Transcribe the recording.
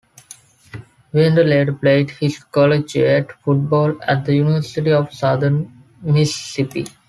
Winder later played his collegiate football at The University of Southern Mississippi.